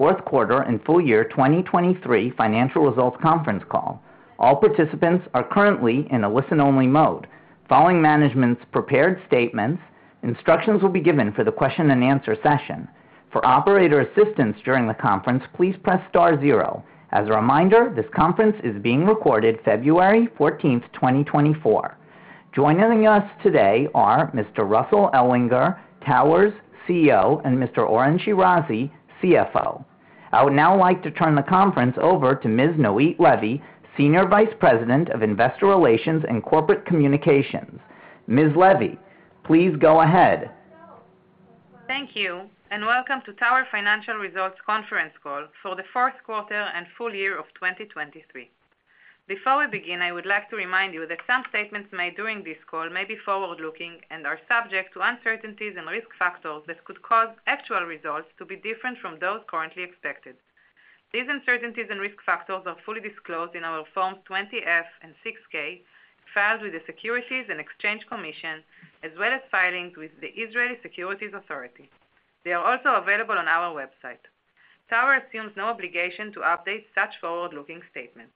Fourth quarter and full year 2023 financial results conference call. All participants are currently in a listen-only mode. Following management's prepared statements, instructions will be given for the question-and-answer session. For operator assistance during the conference, please press star zero. As a reminder, this conference is being recorded, February 14, 2024. Joining us today are Mr. Russell Ellwanger, Tower's CEO, and Mr. Oren Shirazi, CFO. I would now like to turn the conference over to Ms. Noit Levy, Senior Vice President of Investor Relations and Corporate Communications. Ms. Levy, please go ahead. Thank you, and welcome to Tower financial results conference call for the fourth quarter and full year of 2023. Before we begin, I would like to remind you that some statements made during this call may be forward-looking and are subject to uncertainties and risk factors that could cause actual results to be different from those currently expected. These uncertainties and risk factors are fully disclosed in our Forms 20-F and 6-K filed with the Securities and Exchange Commission, as well as filings with the Israeli Securities Authority. They are also available on our website. Tower assumes no obligation to update such forward-looking statements.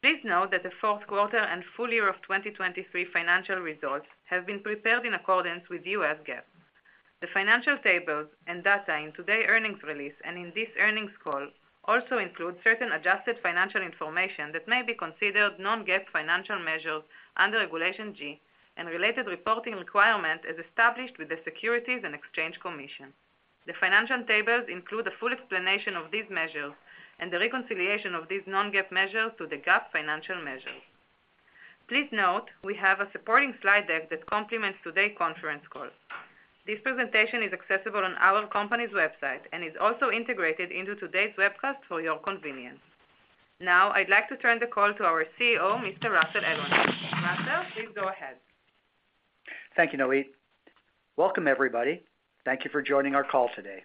Please note that the fourth quarter and full year of 2023 financial results have been prepared in accordance with U.S. GAAP. The financial tables and data in today's earnings release and in this earnings call also include certain adjusted financial information that may be considered non-GAAP financial measures under Regulation G and related reporting requirements as established with the Securities and Exchange Commission. The financial tables include a full explanation of these measures and the reconciliation of these non-GAAP measures to the GAAP financial measures. Please note we have a supporting slide deck that complements today's conference call. This presentation is accessible on our company's website and is also integrated into today's webcast for your convenience. Now I'd like to turn the call to our CEO, Mr. Russell Ellwanger. Russell, please go ahead. Thank you, Noit. Welcome, everybody. Thank you for joining our call today.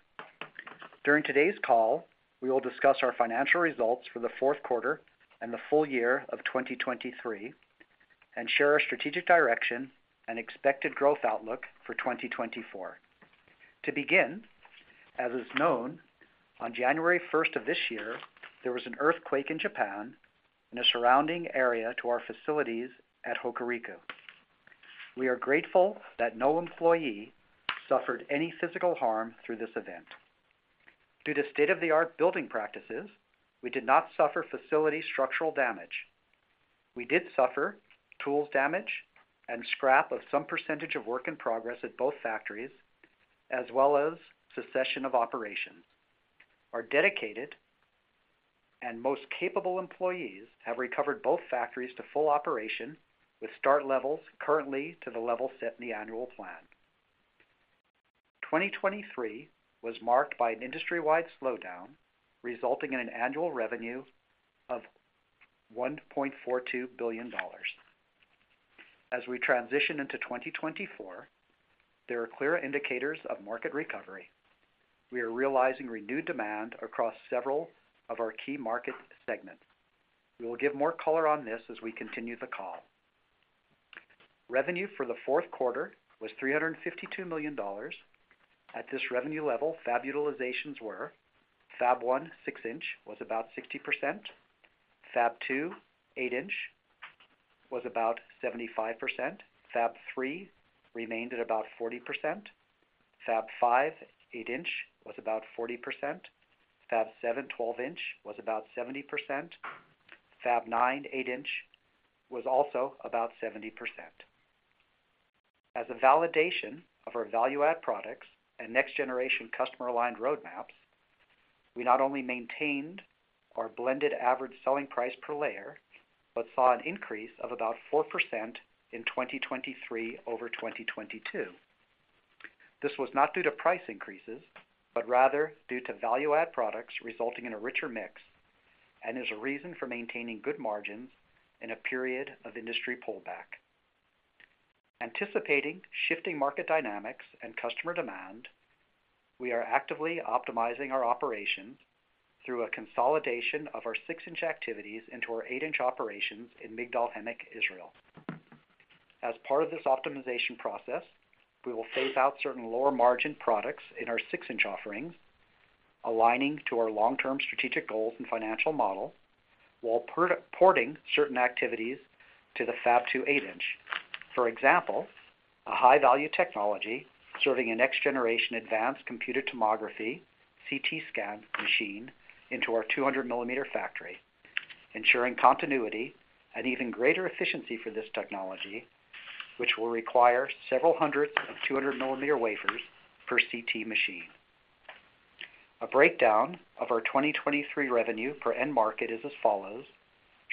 During today's call, we will discuss our financial results for the fourth quarter and the full year of 2023, and share our strategic direction and expected growth outlook for 2024. To begin, as is known, on January 1st of this year, there was an earthquake in Japan in a surrounding area to our facilities at Hokuriku. We are grateful that no employee suffered any physical harm through this event. Due to state-of-the-art building practices, we did not suffer facility structural damage. We did suffer tool damage and scrap of some percentage of work in progress at both factories, as well as cessation of operations. Our dedicated and most capable employees have recovered both factories to full operation with staff levels currently to the level set in the annual plan. 2023 was marked by an industry-wide slowdown, resulting in an annual revenue of $1.42 billion. As we transition into 2024, there are clear indicators of market recovery. We are realizing renewed demand across several of our key market segments. We will give more color on this as we continue the call. Revenue for the fourth quarter was $352 million. At this revenue level, fab utilizations were: Fab 1, 6-inch, was about 60%. Fab 2, 8-inch, was about 75%. Fab 3 remained at about 40%. Fab 5, 8-inch, was about 40%. Fab 7, 12-inch, was about 70%. Fab 9, 8-inch, was also about 70%. As a validation of our value-added products and next-generation customer-aligned roadmaps, we not only maintained our blended average selling price per layer but saw an increase of about 4% in 2023 over 2022. This was not due to price increases, but rather due to value-add products resulting in a richer mix and is a reason for maintaining good margins in a period of industry pullback. Anticipating shifting market dynamics and customer demand, we are actively optimizing our operations through a consolidation of our 6-inch activities into our 8-inch operations in Migdal HaEmek, Israel. As part of this optimization process, we will phase out certain lower-margin products in our 6-inch offerings, aligning to our long-term strategic goals and financial model, while porting certain activities to the Fab 2, 8-inch. For example, a high-value technology serving a next-generation advanced computed tomography CT scan machine into our 200-millimeter factory, ensuring continuity and even greater efficiency for this technology, which will require several hundred 200-millimeter wafers per CT machine. A breakdown of our 2023 revenue per end market is as follows,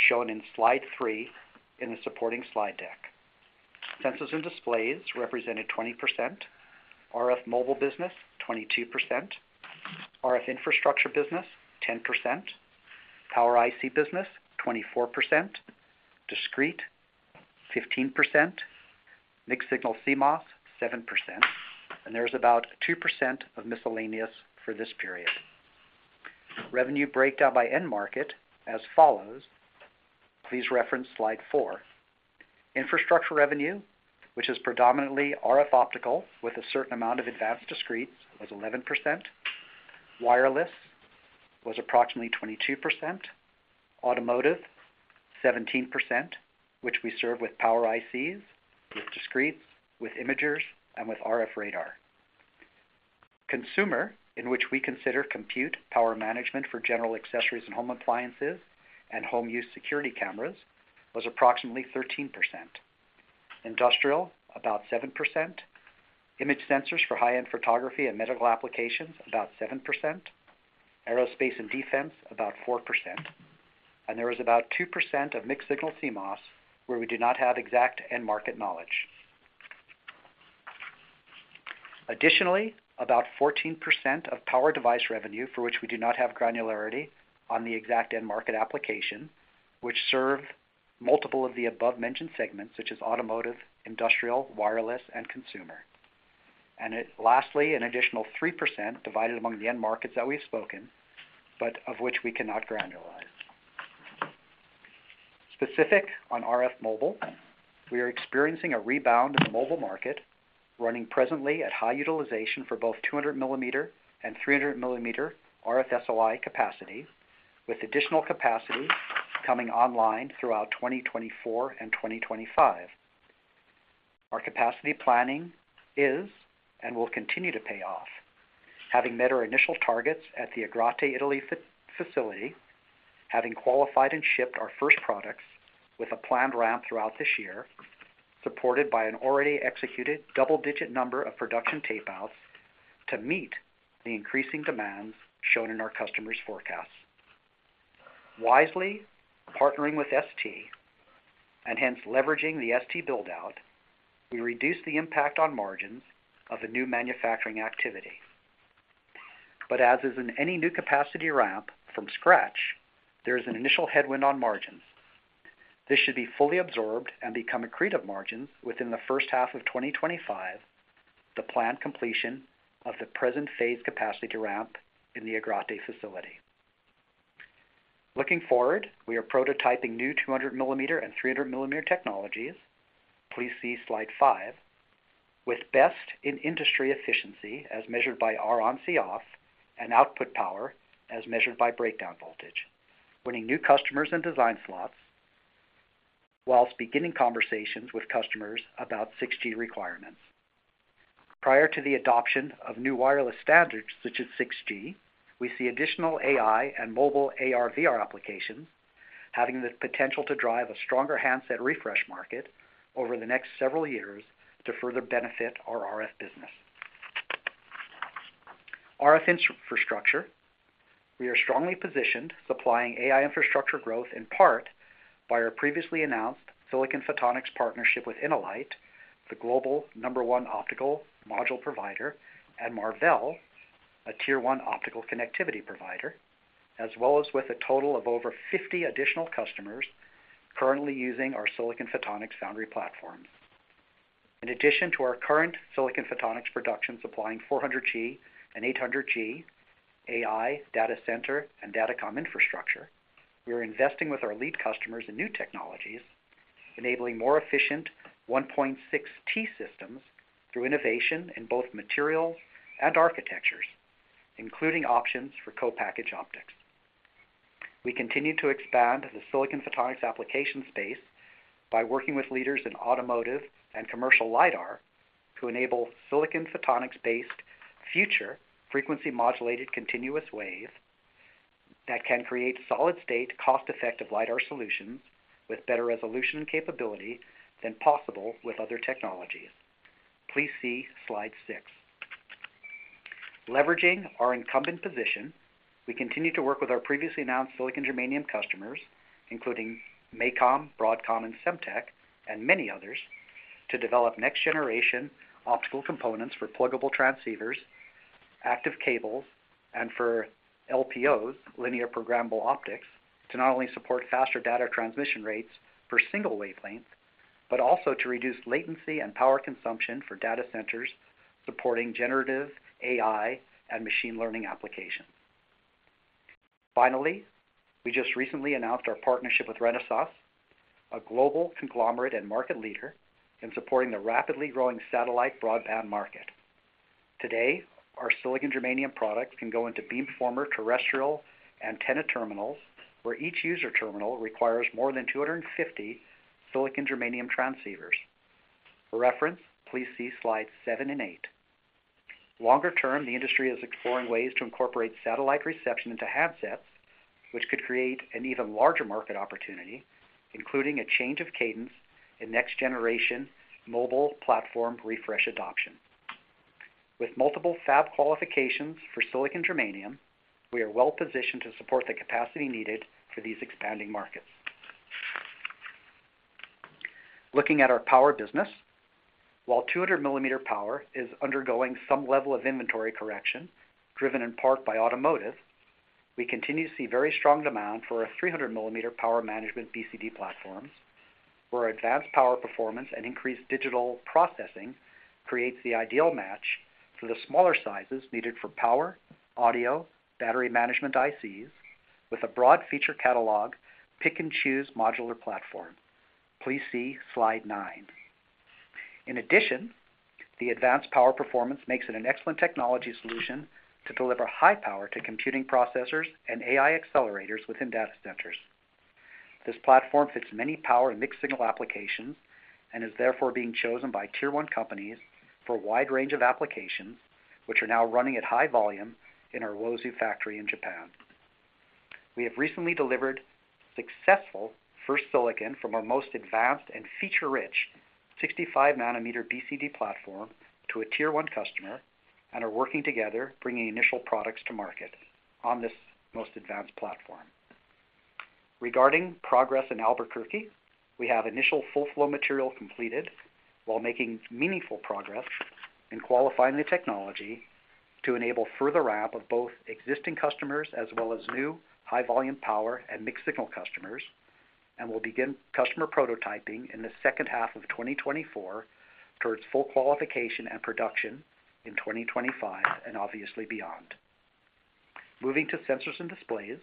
shown in slide three in the supporting slide deck. Sensors and displays represented 20%, RF Mobile Business 22%, RF Infrastructure Business 10%, Power IC Business 24%, Discrete 15%, Mixed Signal CMOS 7%, and there is about 2% of miscellaneous for this period. Revenue breakdown by end market is as follows. Please reference slide four. Infrastructure revenue, which is predominantly RF optical with a certain amount of advanced discretes, was 11%. Wireless was approximately 22%. Automotive 17%, which we serve with Power ICs, with discretes, with imagers, and with RF radar. Consumer, in which we consider compute power management for general accessories and home appliances, and home-use security cameras, was approximately 13%. Industrial about 7%. Image sensors for high-end photography and medical applications are about 7%. Aerospace and defense is about 4%. There is about 2% of mixed signal CMOS where we do not have exact end market knowledge. Additionally, about 14% of power device revenue, for which we do not have granularity on the exact end market application, which serve multiple of the above-mentioned segments, such as automotive, industrial, wireless, and consumer. Lastly, an additional 3% divided among the end markets that we've spoken about but of which we cannot granularize. Specific on RF Mobile, we are experiencing a rebound in the mobile market, running presently at high utilization for both 200-millimeter and 300-millimeter RF-SOI capacity, with additional capacity coming online throughout 2024 and 2025. Our capacity planning is and will continue to pay off, having met our initial targets at the Agrate, Italy, facility, having qualified and shipped our first products with a planned ramp throughout this year, supported by an already executed double-digit number of production tape-outs to meet the increasing demands shown in our customers' forecasts. Wisely partnering with ST and hence leveraging the ST buildout, we reduce the impact on margins of the new manufacturing activity. But as is in any new capacity ramp from scratch, there is an initial headwind on margins. This should be fully absorbed and become accretive margins within the first half of 2025, with the planned completion of the present-phase capacity ramp in the Agrate facility. Looking forward, we are prototyping new 200-millimeter and 300-millimeter technologies - please see slide five - with best-in-industry efficiency as measured by Ron x Coff and output power as measured by breakdown voltage, winning new customers and design slots, while beginning conversations with customers about 6G requirements. Prior to the adoption of new wireless standards such as 6G, we see additional AI and mobile AR/VR applications having the potential to drive a stronger handset refresh market over the next several years to further benefit our RF business. RF infrastructure: we are strongly positioned supplying AI infrastructure growth in part by our previously announced silicon photonics partnership with InnoLight, the global number one optical module provider, and Marvell, a tier one optical connectivity provider, as well as with a total of over 50 additional customers currently using our silicon photonics foundry platforms. In addition to our current Silicon Photonics production supplying 400G and 800G AI, data center, and data comm infrastructure, we are investing with our lead customers in new technologies, enabling more efficient 1.6T systems through innovation in both materials and architectures, including options for co-package optics. We continue to expand the Silicon Photonics application space by working with leaders in automotive and commercial LIDAR to enable Silicon Photonics-based future frequency-modulated continuous wave that can create solid-state cost-effective LIDAR solutions with better resolution and capability than possible with other technologies. Please see slide six. Leveraging our incumbent position, we continue to work with our previously announced silicon germanium customers, including MACOM, Broadcom, and Semtech, and many others, to develop next-generation optical components for pluggable transceivers, active cables, and for LPOs, linear pluggable optics, to not only support faster data transmission rates for single wavelengths but also to reduce latency and power consumption for data centers supporting generative AI and machine learning applications. Finally, we just recently announced our partnership with Renesas, a global conglomerate and market leader in supporting the rapidly growing satellite broadband market. Today, our silicon germanium products can go into beamformer terrestrial antenna terminals, where each user terminal requires more than 250 silicon germanium transceivers. For reference, please see slides seven and eight. Longer term, the industry is exploring ways to incorporate satellite reception into handsets, which could create an even larger market opportunity, including a change of cadence in next-generation mobile platform refresh adoption. With multiple fab qualifications for silicon germanium, we are well-positioned to support the capacity needed for these expanding markets. Looking at our power business: while 200-millimeter power is undergoing some level of inventory correction driven in part by automotive, we continue to see very strong demand for our 300-millimeter power management BCD platforms, where advanced power performance and increased digital processing creates the ideal match for the smaller sizes needed for power, audio, battery management ICs with a broad feature catalog pick-and-choose modular platform. Please see slide nine. In addition, the advanced power performance makes it an excellent technology solution to deliver high power to computing processors and AI accelerators within data centers. This platform fits many power and mixed signal applications and is therefore being chosen by tier one companies for a wide range of applications, which are now running at high volume in our Uozu factory in Japan. We have recently delivered successful first silicon from our most advanced and feature-rich 65-nanometer BCD platform to a tier one customer and are working together, bringing initial products to market on this most advanced platform. Regarding progress in Albuquerque, we have initial full-flow material completed while making meaningful progress in qualifying the technology to enable further ramp of both existing customers as well as new high-volume power and mixed signal customers, and will begin customer prototyping in the second half of 2024 towards full qualification and production in 2025 and obviously beyond. Moving to sensors and displays,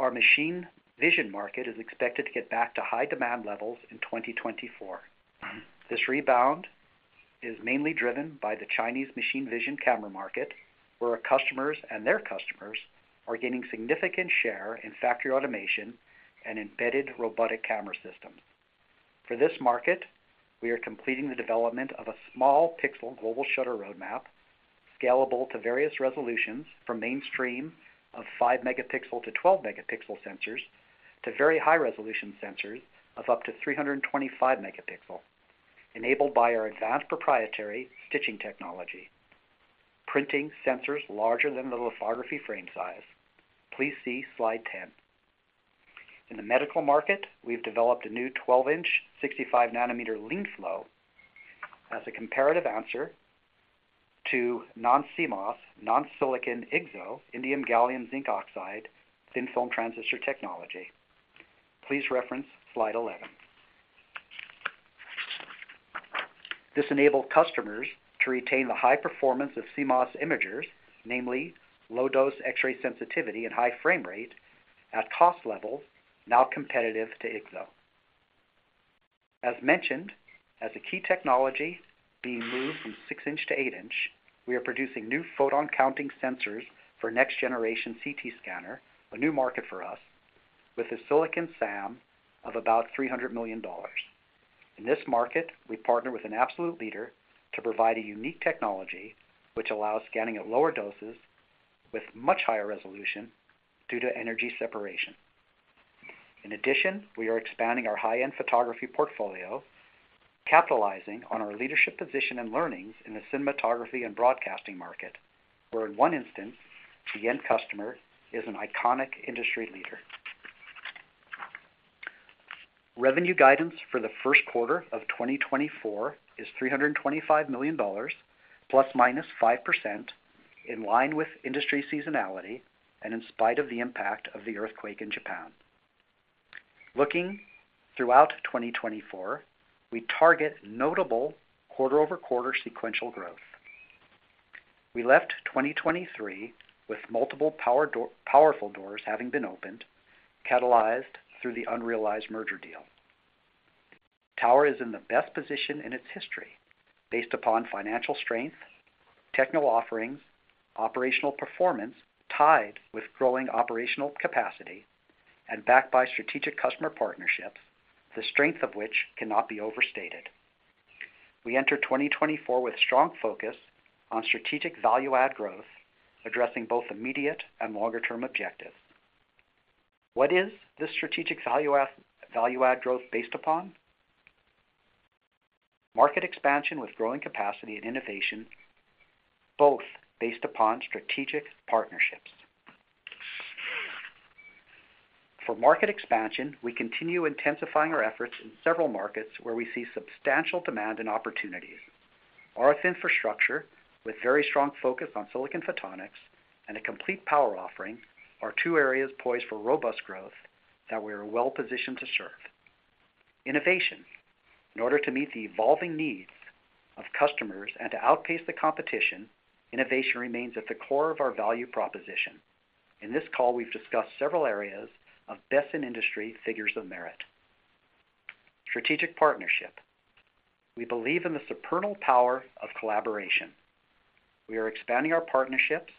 our machine vision market is expected to get back to high demand levels in 2024. This rebound is mainly driven by the Chinese machine vision camera market, where our customers and their customers are gaining significant share in factory automation and embedded robotic camera systems. For this market, we are completing the development of a small-pixel global shutter roadmap scalable to various resolutions from mainstream 5-megapixel to 12-megapixel sensors to very high-resolution sensors of up to 325-megapixel, enabled by our advanced proprietary stitching technology. Printing sensors larger than the lithography frame size. Please see slide 10. In the medical market, we've developed a new 12-inch 65-nanometer Leanflow as a comparative answer to non-CMOS, non-silicon IGZO, Indium Gallium Zinc Oxide, thin-film transistor technology. Please reference slide 11. This enabled customers to retain the high performance of CMOS imagers, namely low-dose X-ray sensitivity and high frame rate, at cost levels now competitive to IGZO. As mentioned, as a key technology being moved from 6-inch to 8-inch, we are producing new photon counting sensors for next-generation CT scanner, a new market for us, with a silicon SAM of about $300 million. In this market, we partner with an absolute leader to provide a unique technology which allows scanning at lower doses with much higher resolution due to energy separation. In addition, we are expanding our high-end photography portfolio, capitalizing on our leadership position and learnings in the cinematography and broadcasting market, where in one instance, the end customer is an iconic industry leader. Revenue guidance for the first quarter of 2024 is $325 million, ±5%, in line with industry seasonality and in spite of the impact of the earthquake in Japan. Looking throughout 2024, we target notable quarter-over-quarter sequential growth. We left 2023 with multiple powerful doors having been opened, catalyzed through the unrealized merger deal. Tower is in the best position in its history based upon financial strength, technical offerings, operational performance tied with growing operational capacity, and backed by strategic customer partnerships, the strength of which cannot be overstated. We enter 2024 with strong focus on strategic value-add growth, addressing both immediate and longer-term objectives. What is this strategic value-add growth based upon? Market expansion with growing capacity and innovation, both based upon strategic partnerships. For market expansion, we continue intensifying our efforts in several markets where we see substantial demand and opportunities. RF infrastructure, with very strong focus on silicon photonics and a complete power offering, are two areas poised for robust growth that we are well positioned to serve. Innovation: In order to meet the evolving needs of customers and to outpace the competition, innovation remains at the core of our value proposition. In this call, we've discussed several areas of best-in-industry figures of merit. Strategic partnership: We believe in the singular power of collaboration. We are expanding our partnerships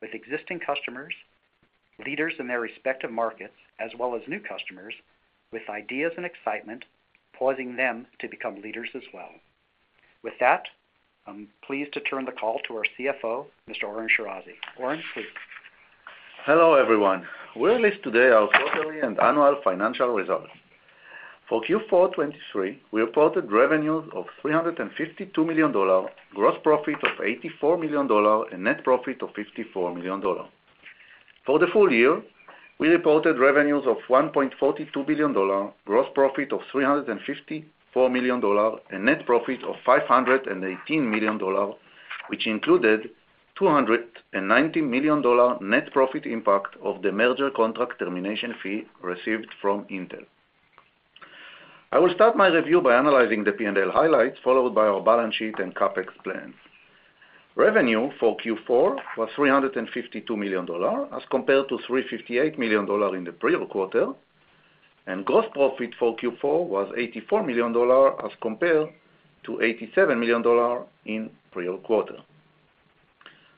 with existing customers, leaders in their respective markets, as well as new customers, with ideas and excitement poised to become leaders as well. With that, I'm pleased to turn the call to our CFO, Mr. Oren Shirazi. Oren, please. Hello, everyone. We are listing today our quarterly and annual financial results. For Q4 2023, we reported revenues of $352 million, gross profit of $84 million, and net profit of $54 million. For the full year, we reported revenues of $1.42 billion, gross profit of $354 million, and net profit of $518 million, which included $290 million net profit impact of the merger contract termination fee received from Intel. I will start my review by analyzing the P&L highlights, followed by our balance sheet and CapEx plans. Revenue for Q4 was $352 million as compared to $358 million in the pre-quarter, and gross profit for Q4 was $84 million as compared to $87 million in pre-quarter.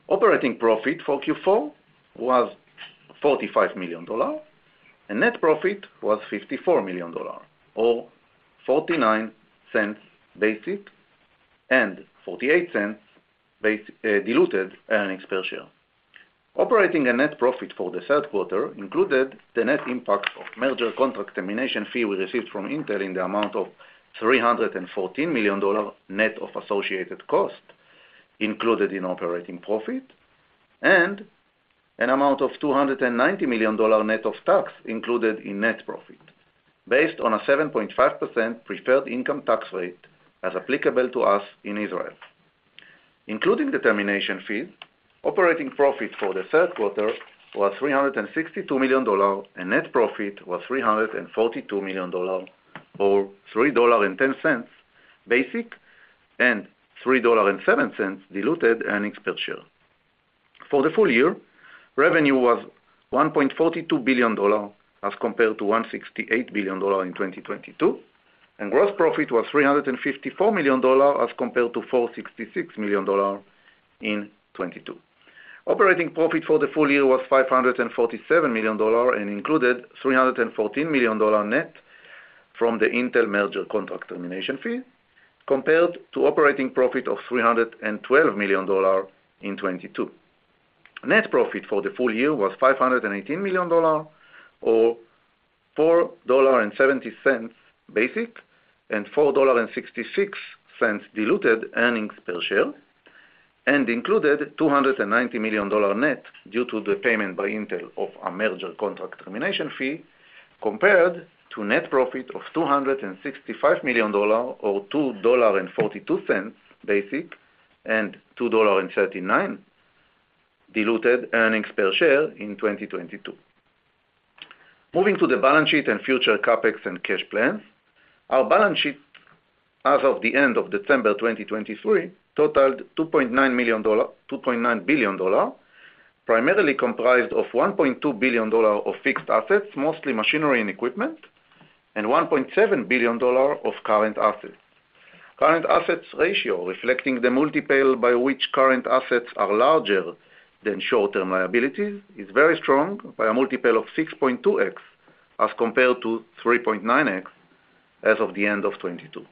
Operating profit for Q4 was $45 million, and net profit was $54 million, or $0.49 basic and $0.48 diluted earnings per share. Operating and net profit for the third quarter included the net impact of merger contract termination fee we received from Intel in the amount of $314 million net of associated cost included in operating profit, and an amount of $290 million net of tax included in net profit based on a 7.5% preferred income tax rate as applicable to us in Israel. Including the termination fees, operating profit for the third quarter was $362 million, and net profit was $342 million, or $3.10 basic and $3.07 diluted earnings per share. For the full year, revenue was $1.42 billion as compared to $168 billion in 2022, and gross profit was $354 million as compared to $466 million in 2022. Operating profit for the full year was $547 million and included $314 million net from the Intel merger contract termination fee compared to operating profit of $312 million in 2022. Net profit for the full year was $518 million, or $4.70 basic and $4.66 diluted earnings per share, and included $290 million net due to the payment by Intel of a merger contract termination fee compared to net profit of $265 million, or $2.42 basic and $2.39 diluted earnings per share in 2022. Moving to the balance sheet and future CapEx and cash plans, our balance sheet as of the end of December 2023 totaled $2.9 billion, primarily comprised of $1.2 billion of fixed assets, mostly machinery and equipment, and $1.7 billion of current assets. Current assets ratio, reflecting the multiple by which current assets are larger than short-term liabilities, is very strong by a multiple of 6.2x as compared to 3.9x as of the end of 2022.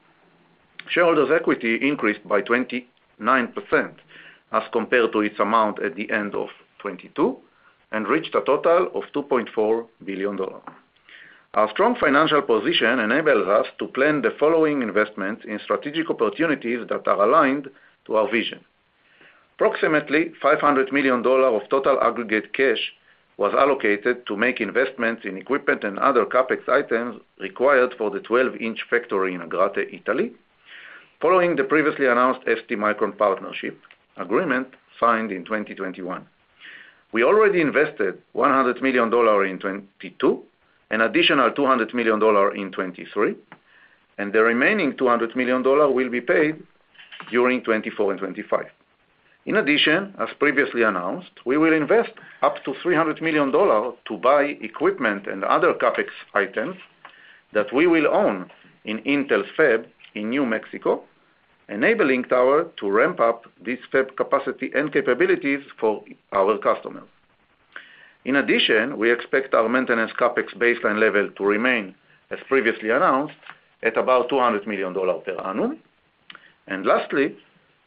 Shareholders' equity increased by 29% as compared to its amount at the end of 2022 and reached a total of $2.4 billion. Our strong financial position enables us to plan the following investments in strategic opportunities that are aligned to our vision. Approximately $500 million of total aggregate cash was allocated to make investments in equipment and other CapEx items required for the 12-inch factory in Agrate, Italy, following the previously announced STMicroelectronics partnership agreement signed in 2021. We already invested $100 million in 2022, an additional $200 million in 2023, and the remaining $200 million will be paid during 2024 and 2025. In addition, as previously announced, we will invest up to $300 million to buy equipment and other CapEx items that we will own in Intel's fab in New Mexico, enabling Tower to ramp up this fab capacity and capabilities for our customers. In addition, we expect our maintenance CapEx baseline level to remain, as previously announced, at about $200 million per annum. Lastly,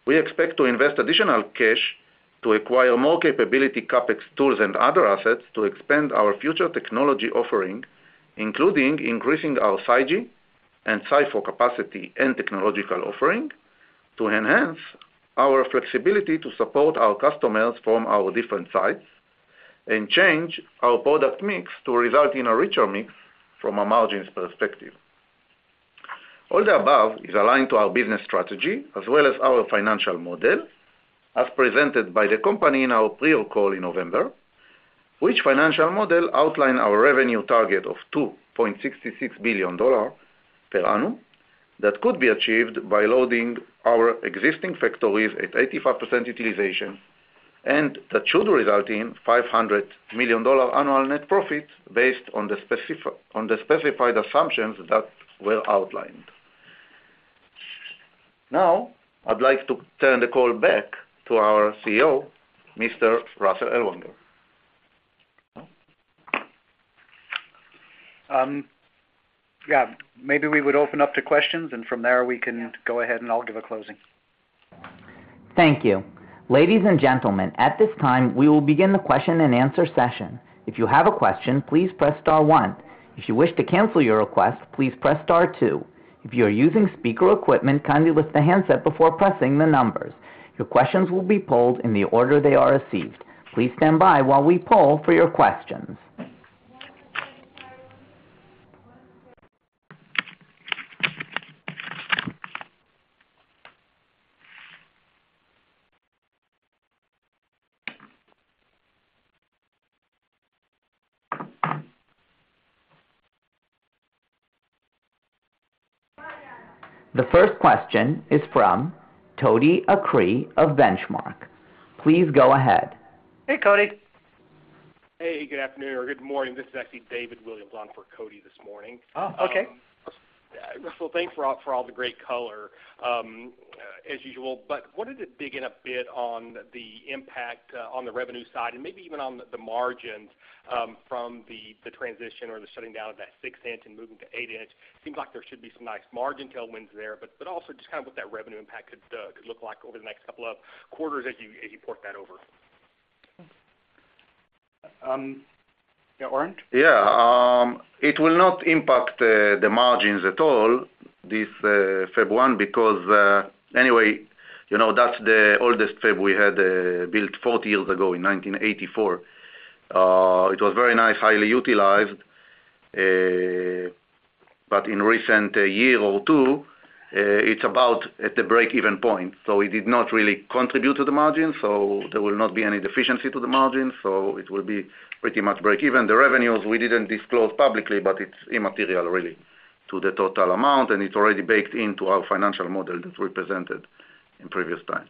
we expect to invest additional cash to acquire more capability CapEx tools and other assets to expand our future technology offering, including increasing our SiGe and RF-SOI capacity and technological offering to enhance our flexibility to support our customers from our different sites and change our product mix to result in a richer mix from a margins perspective. All the above is aligned to our business strategy as well as our financial model, as presented by the company in our pre-quarter call in November, which financial model outlined our revenue target of $2.66 billion per annum that could be achieved by loading our existing factories at 85% utilization and that should result in $500 million annual net profit based on the specified assumptions that were outlined. Now, I'd like to turn the call back to our CEO, Mr. Russell Ellwanger. Yeah. Maybe we would open up to questions, and from there, we can go ahead, and I'll give a closing. Thank you. Ladies and gentlemen, at this time, we will begin the question and answer session. If you have a question, please press star one. If you wish to cancel your request, please press star two. If you are using speaker equipment, kindly lift the handset before pressing the numbers. Your questions will be pulled in the order they are received. Please stand by while we pull for your questions. The first question is from Cody Acree of Benchmark. Please go ahead. Hey, Cody. Hey. Good afternoon or good morning. This is actually David Williams. I'm for Cody this morning. Oh, okay. Russell, thanks for all the great color as usual. But wanted to dig in a bit on the impact on the revenue side and maybe even on the margins from the transition or the shutting down of that 6-inch and moving to 8-inch. Seems like there should be some nice margin tailwinds there, but also just kind of what that revenue impact could look like over the next couple of quarters as you port that over? Oren? Yeah. It will not impact the margins at all, this Fab 1, because anyway, that's the oldest fab we had built 40 years ago in 1984. It was very nice, highly utilized. But in recent year or two, it's about at the break-even point. So it did not really contribute to the margins. So there will not be any deficiency to the margins. So it will be pretty much break-even. The revenues, we didn't disclose publicly, but it's immaterial, really, to the total amount. And it's already baked into our financial model that we presented in previous time.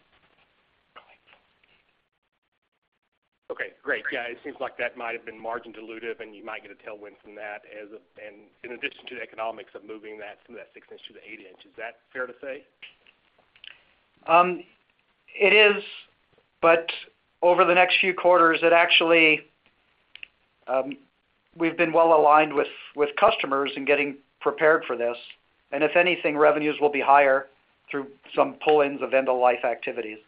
Okay. Great. Yeah. It seems like that might have been margin dilutive, and you might get a tailwind from that. And in addition to the economics of moving that 6-inch to the 8-inch, is that fair to say? It is. But over the next few quarters, we've been well aligned with customers and getting prepared for this. And if anything, revenues will be higher through some pull-ins of end-of-life activities.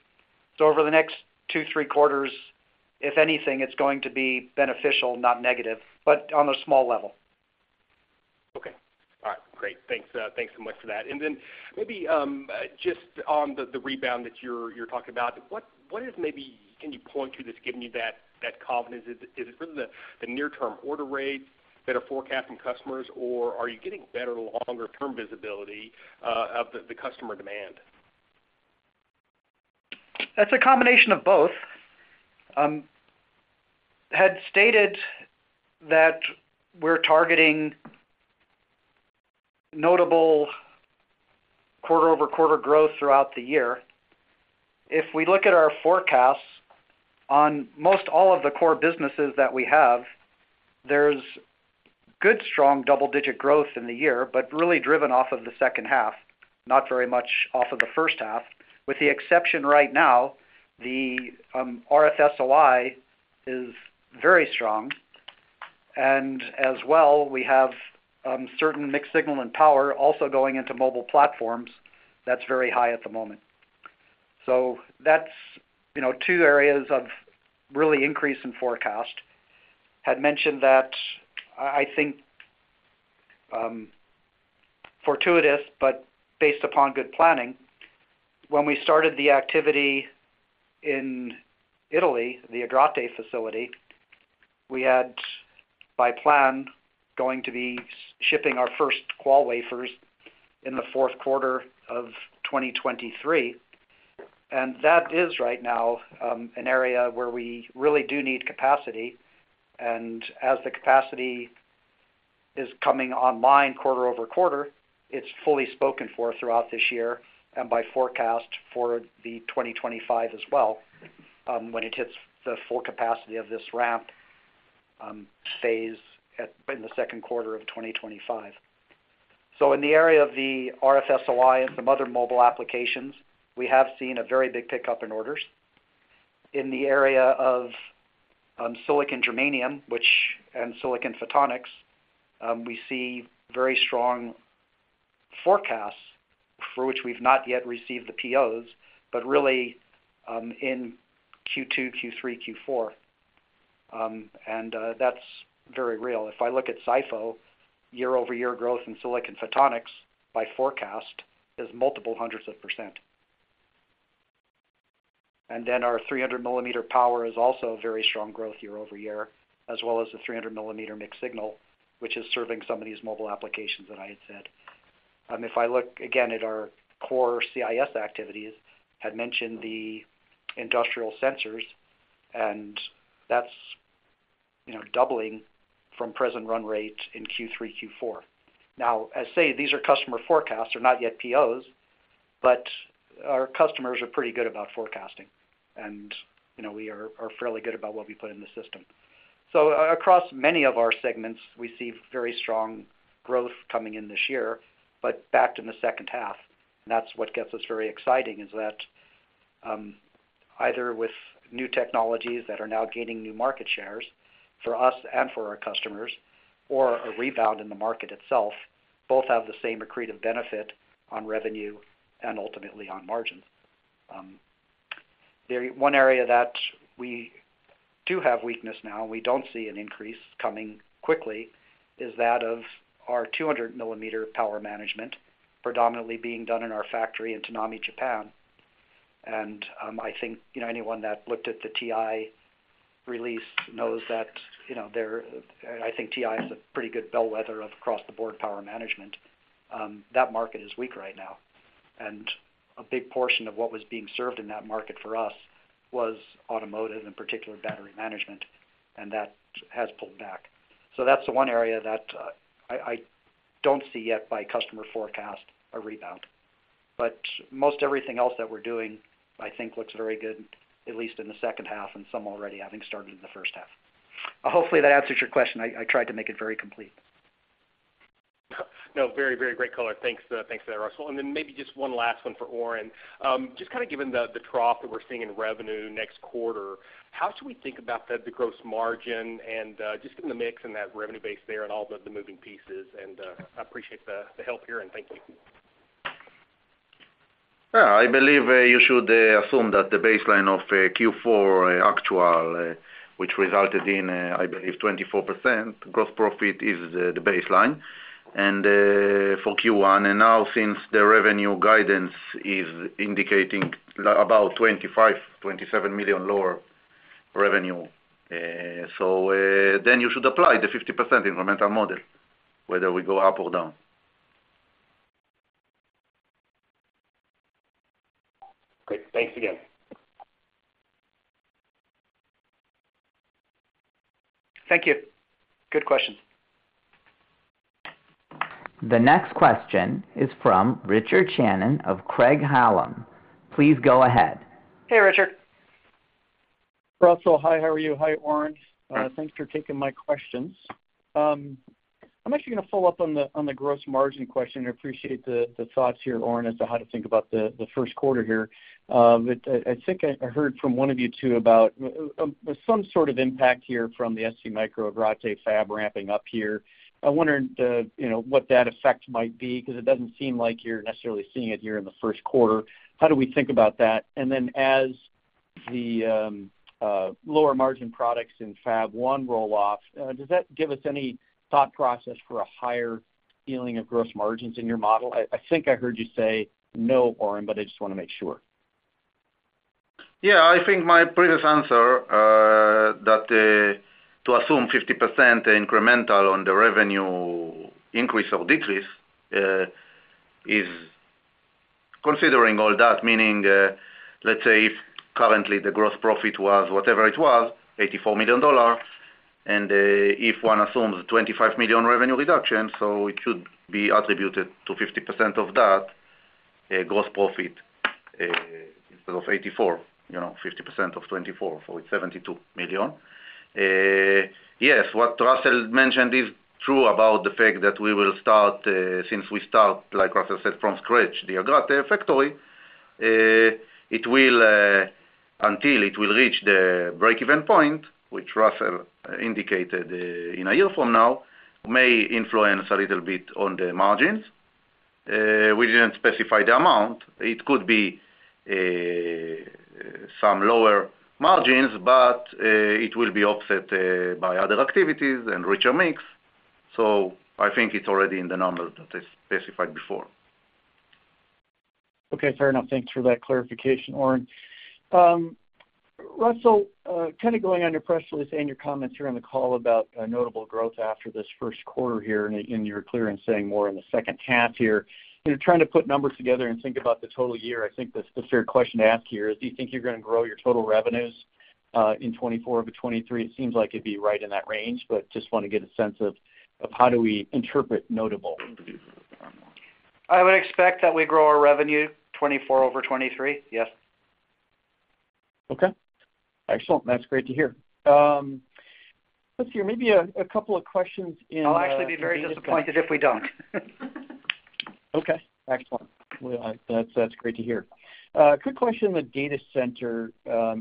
So over the next two, three quarters, if anything, it's going to be beneficial, not negative, but on a small level. Okay. All right. Great. Thanks so much for that. And then maybe just on the rebound that you're talking about, what is maybe can you point to this giving you that confidence? Is it really the near-term order rates that are forecast from customers, or are you getting better longer-term visibility of the customer demand? That's a combination of both. Had stated that we're targeting notable quarter-over-quarter growth throughout the year. If we look at our forecasts on most all of the core businesses that we have, there's good, strong double-digit growth in the year but really driven off of the second half, not very much off of the first half. With the exception right now, the RF-SOI is very strong. And as well, we have certain mixed-signal and power also going into mobile platforms. That's very high at the moment. So that's two areas of really increase in forecast. Had mentioned that I think fortuitous but based upon good planning. When we started the activity in Italy, the Agrate facility, we had by plan going to be shipping our first qual wafers in the fourth quarter of 2023. And that is right now an area where we really do need capacity. As the capacity is coming online quarter over quarter, it's fully spoken for throughout this year and by forecast for 2025 as well when it hits the full capacity of this ramp phase in the second quarter of 2025. In the area of the RF-SOI and some other mobile applications, we have seen a very big pickup in orders. In the area of silicon germanium and silicon photonics, we see very strong forecasts for which we've not yet received the POs but really in Q2, Q3, Q4. And that's very real. If I look at SiPh, year-over-year growth in silicon photonics by forecast is multiple hundreds of %. Then our 300-millimeter power is also very strong growth year-over-year as well as the 300-millimeter mixed signal, which is serving some of these mobile applications that I had said. If I look again at our core CIS activities, had mentioned the industrial sensors. That's doubling from present run rate in Q3, Q4. Now, as said, these are customer forecasts. They're not yet POs, but our customers are pretty good about forecasting. We are fairly good about what we put in the system. So across many of our segments, we see very strong growth coming in this year but backed in the second half. That's what gets us very exciting is that either with new technologies that are now gaining new market shares for us and for our customers or a rebound in the market itself, both have the same accretive benefit on revenue and ultimately on margins. One area that we do have weakness now and we don't see an increase coming quickly is that of our 200-millimeter power management predominantly being done in our factory in Tonami, Japan. I think anyone that looked at the TI release knows that I think TI is a pretty good bellwether of across-the-board power management. That market is weak right now. A big portion of what was being served in that market for us was automotive in particular, battery management. And that has pulled back. So that's the one area that I don't see yet by customer forecast a rebound. But most everything else that we're doing, I think, looks very good, at least in the second half and some already having started in the first half. Hopefully, that answers your question. I tried to make it very complete. No. Very, very great color. Thanks for that, Russell. And then maybe just one last one for Oren. Just kind of given the trough that we're seeing in revenue next quarter, how should we think about the gross margin and just given the mix and that revenue base there and all the moving pieces? And I appreciate the help here, and thank you. I believe you should assume that the baseline of Q4 actual, which resulted in, I believe, 24% gross profit is the baseline for Q1. And now, since the revenue guidance is indicating about $25-$27 million lower revenue, then you should apply the 50% incremental model whether we go up or down. Great. Thanks again. Thank you. Good questions. The next question is from Richard Shannon of Craig-Hallum. Please go ahead. Hey, Richard. Russell, hi. How are you? Hi, Oren. Thanks for taking my questions. I'm actually going to follow up on the gross margin question and appreciate the thoughts here, Oren, as to how to think about the first quarter here. I think I heard from one of you two about some sort of impact here from the ST Micro Agrate fab ramping up here. I wondered what that effect might be because it doesn't seem like you're necessarily seeing it here in the first quarter. How do we think about that? And then as the lower margin products in fab one roll off, does that give us any thought process for a higher yielding of gross margins in your model? I think I heard you say no, Oren, but I just want to make sure. Yeah. I think my previous answer that to assume 50% incremental on the revenue increase or decrease is considering all that, meaning, let's say, if currently the gross profit was whatever it was, $84 million, and if one assumes $25 million revenue reduction, so it should be attributed to 50% of that gross profit instead of 84, 50% of 24. So it's $72 million. Yes. What Russell mentioned is true about the fact that we will start since we start, like Russell said, from scratch, the Agrate factory, until it will reach the break-even point, which Russell indicated in a year from now, may influence a little bit on the margins. We didn't specify the amount. It could be some lower margins, but it will be offset by other activities and richer mix. So I think it's already in the numbers that I specified before. Okay. Fair enough. Thanks for that clarification, Oren. Russell, kind of going on your press release and your comments here on the call about notable growth after this first quarter here and your guidance saying more in the second half here, trying to put numbers together and think about the total year, I think the fair question to ask here is, do you think you're going to grow your total revenues in 2024 over 2023? It seems like it'd be right in that range, but just want to get a sense of how do we interpret notable. I would expect that we grow our revenue 2024 over 2023. Yes. Okay. Excellent. That's great to hear. Let's see. Maybe a couple of questions in. I'll actually be very disappointed if we don't. Okay. Excellent. That's great to hear. Quick question in the data center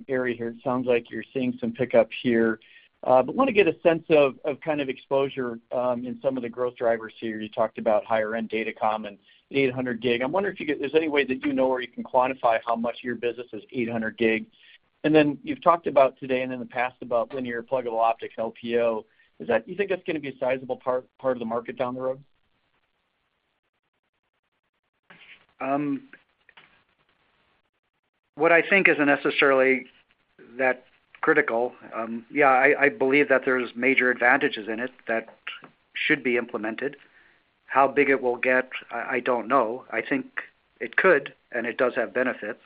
area here. It sounds like you're seeing some pickup here. But want to get a sense of kind of exposure in some of the growth drivers here. You talked about higher-end datacom, 800 gig. I'm wondering if there's any way that you know or you can quantify how much your business is 800 gig. And then you've talked about today and in the past about linear pluggable optics, LPO. Do you think that's going to be a sizable part of the market down the road? What I think isn't necessarily that critical. Yeah. I believe that there's major advantages in it that should be implemented. How big it will get, I don't know. I think it could, and it does have benefits.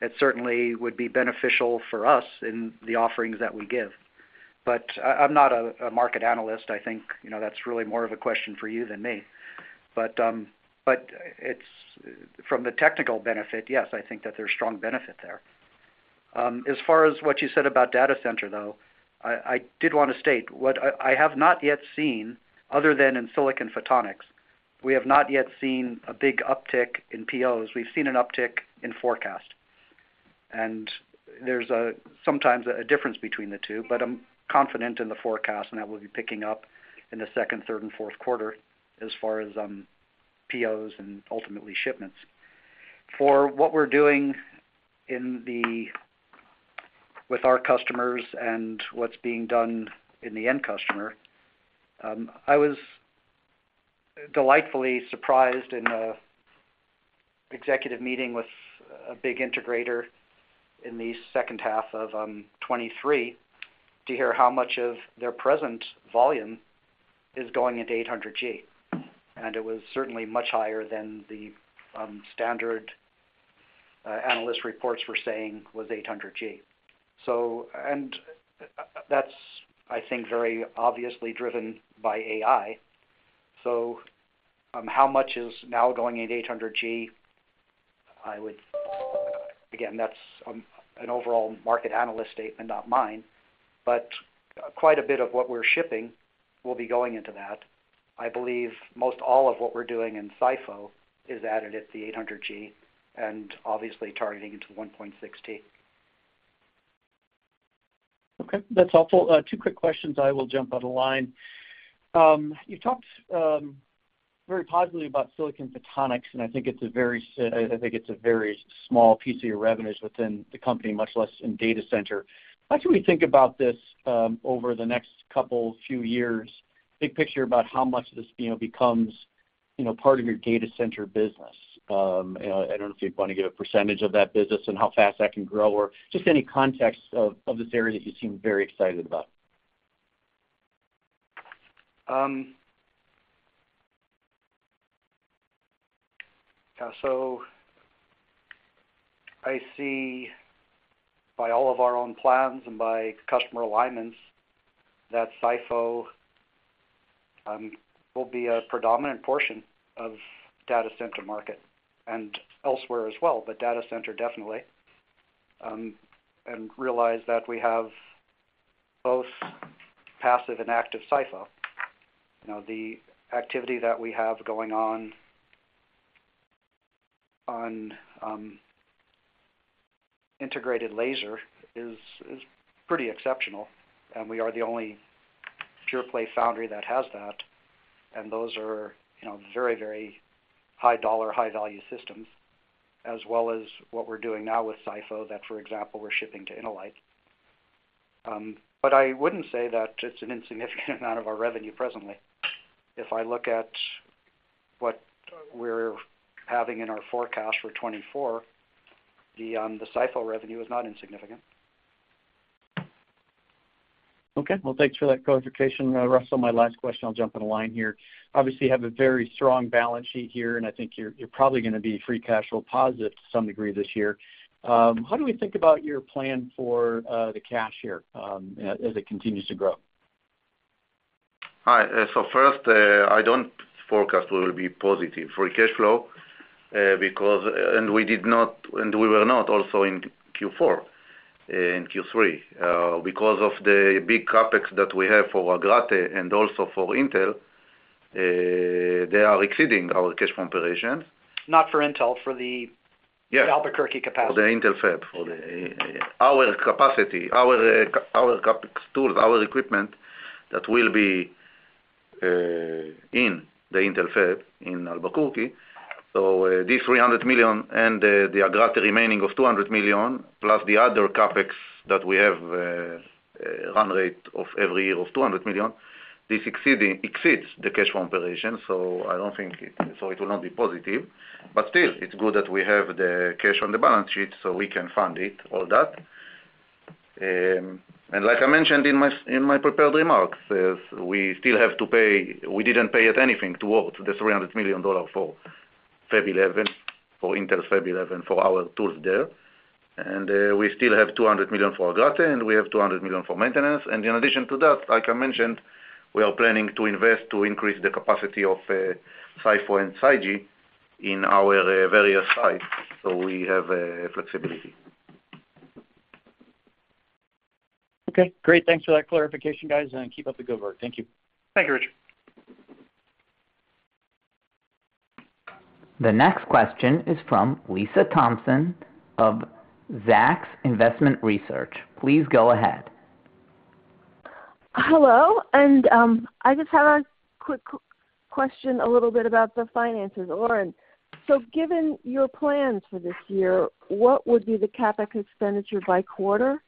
It certainly would be beneficial for us in the offerings that we give. But I'm not a market analyst. I think that's really more of a question for you than me. But from the technical benefit, yes, I think that there's strong benefit there. As far as what you said about data center, though, I did want to state, I have not yet seen other than in silicon photonics, we have not yet seen a big uptick in POs. We've seen an uptick in forecast. And there's sometimes a difference between the two. But I'm confident in the forecast, and that will be picking up in the second, third, and fourth quarter as far as POs and ultimately shipments. For what we're doing with our customers and what's being done in the end customer, I was delightfully surprised in an executive meeting with a big integrator in the second half of 2023 to hear how much of their present volume is going into 800G. It was certainly much higher than the standard analyst reports were saying was 800G. That's, I think, very obviously driven by AI. So how much is now going into 800G? Again, that's an overall market analyst statement, not mine. But quite a bit of what we're shipping will be going into that. I believe most all of what we're doing in SiPh is added at the 800G and obviously targeting into the 1.6T. Okay. That's helpful. Two quick questions. I will jump out of line. You've talked very positively about silicon photonics, and I think it's a very small piece of your revenues within the company, much less in data center. How should we think about this over the next couple few years, big picture about how much of this becomes part of your data center business? I don't know if you'd want to give a percentage of that business and how fast that can grow or just any context of this area that you seem very excited about. Yeah. So I see by all of our own plans and by customer alignments that SiPh will be a predominant portion of data center market and elsewhere as well, but data center definitely, and realize that we have both passive and active SiPh. The activity that we have going on on integrated laser is pretty exceptional. We are the only pure-play foundry that has that. Those are very, very high-dollar, high-value systems as well as what we're doing now with SiPh that, for example, we're shipping to InnoLight. But I wouldn't say that it's an insignificant amount of our revenue presently. If I look at what we're having in our forecast for 2024, the SiPh revenue is not insignificant. Okay. Well, thanks for that clarification, Russell. My last question. I'll jump on the line here. Obviously, you have a very strong balance sheet here, and I think you're probably going to be free cash flow positive to some degree this year. How do we think about your plan for the cash here as it continues to grow? Hi. So first, I don't forecast we will be positive for cash flow and we did not and we were not also in Q4, in Q3 because of the big CapEx that we have for Agrate and also for Intel. They are exceeding our cash flow operations. Not for Intel, for the Albuquerque capacity? Yes. For the Intel fab, for our capacity, our CapEx tools, our equipment that will be in the Intel fab in Albuquerque. So these $300 million and the Agrate remaining of $200 million plus the other CapEx that we have run rate of every year of $200 million, this exceeds the cash flow operation. So I don't think it so it will not be positive. But still, it's good that we have the cash on the balance sheet so we can fund it, all that. And like I mentioned in my prepared remarks, we still have to pay we didn't pay at anything towards the $300 million for Fab 11, for Intel's Fab 11, for our tools there. And we still have $200 million for Agrate, and we have $200 million for maintenance. In addition to that, like I mentioned, we are planning to invest to increase the capacity of SiPh and SiGe in our various sites so we have flexibility. Okay. Great. Thanks for that clarification, guys. Keep up the good work. Thank you. Thank you, Richard. The next question is from Lisa Thompson of Zacks Investment Research. Please go ahead. Hello. I just have a quick question a little bit about the finances. Oren, so given your plans for this year, what would be the CapEx expenditure by quarter?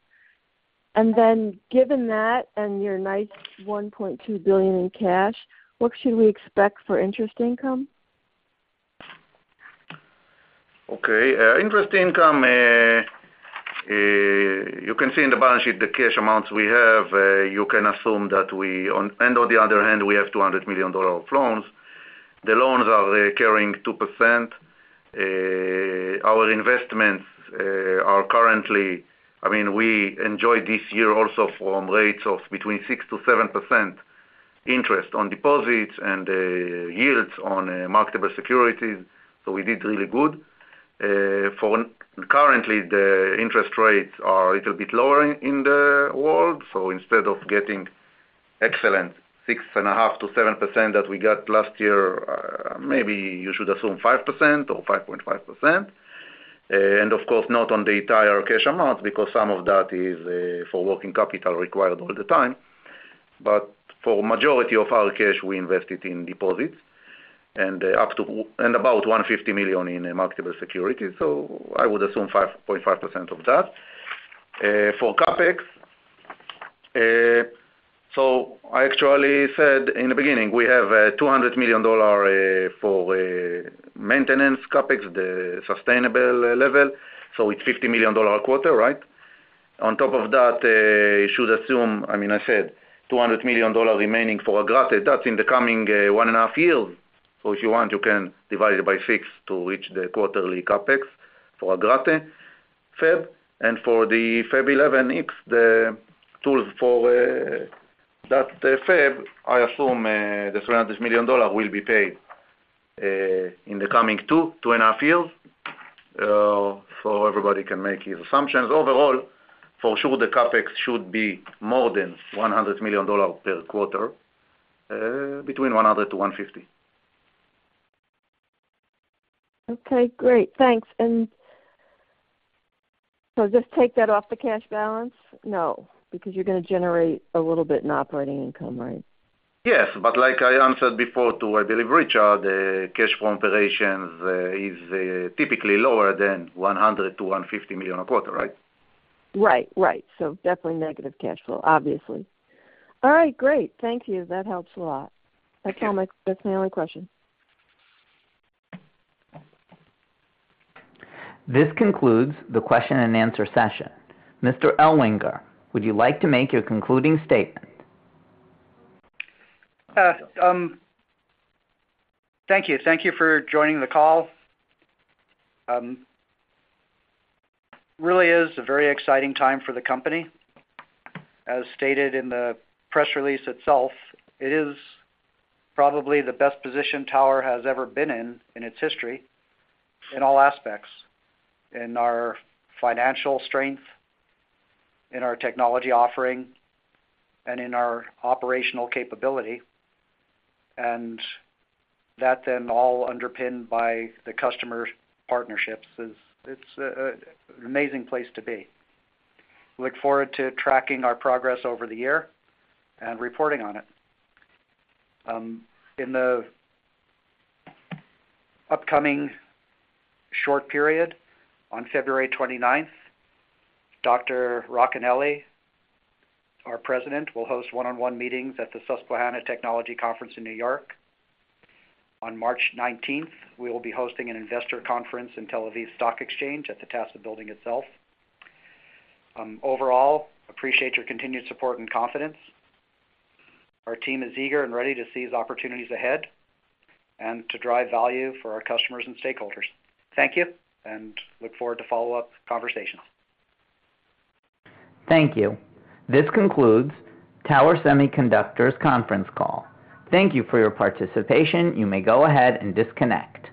And then given that and your nice $1.2 billion in cash, what should we expect for interest income? Okay. Interest income, you can see in the balance sheet the cash amounts we have. You can assume that we and on the other hand, we have $200 million of loans. The loans are carrying 2%. Our investments are currently I mean, we enjoyed this year also from rates of between 6%-7% interest on deposits and yields on marketable securities. So we did really good. Currently, the interest rates are a little bit lower in the world. So instead of getting an excellent 6.5%-7% that we got last year, maybe you should assume 5% or 5.5%. And of course, not on the entire cash amounts because some of that is for working capital required all the time. But for the majority of our cash, we invest it in deposits and about $150 million in marketable securities. So I would assume 5.5% of that. For CapEx, I actually said in the beginning, we have $200 million for maintenance CapEx, the sustainable level. So it's $50 million a quarter, right? On top of that, you should assume I mean, I said $200 million remaining for Agrate. That's in the coming one and a half years. So if you want, you can divide it by 6 to reach the quarterly CapEx for Agrate Fab. And for the Fab 11X, the tools for that fab, I assume the $300 million will be paid in the coming 2-2.5 years. So everybody can make their assumptions. Overall, for sure, the CapEx should be more than $100 million per quarter, between $100 million-$150 million. Okay. Great. Thanks. And so just take that off the cash balance? No, because you're going to generate a little bit in operating income, right? Yes. But like I answered before to, I believe, Richard, cash flow operations is typically lower than $100-$150 million a quarter, right? Right. Right. So definitely negative cash flow, obviously. All right. Great. Thank you. That helps a lot. That's all. That's my only question. This concludes the question-and-answer session. Mr. Ellwanger, would you like to make your concluding statement? Thank you. Thank you for joining the call. It really is a very exciting time for the company. As stated in the press release itself, it is probably the best position Tower has ever been in in its history in all aspects: in our financial strength, in our technology offering, and in our operational capability. And that then all underpinned by the customer partnerships. It's an amazing place to be. Look forward to tracking our progress over the year and reporting on it. In the upcoming short period, on February 29th, Dr. Racanelli, our President, will host one-on-one meetings at the Susquehanna Technology Conference in New York. On March 19th, we will be hosting an investor conference in Tel Aviv Stock Exchange at the TASE building itself. Overall, appreciate your continued support and confidence. Our team is eager and ready to seize opportunities ahead and to drive value for our customers and stakeholders. Thank you. And look forward to follow-up conversations. Thank you. This concludes Tower Semiconductor's conference call. Thank you for your participation. You may go ahead and disconnect.